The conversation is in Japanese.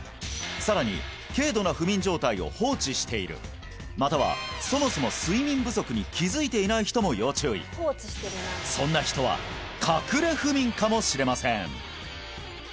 さらに軽度な不眠状態を放置しているまたはそもそも睡眠不足に気づいていない人も要注意そんな人はかくれ不眠かもしれません！